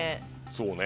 そうね。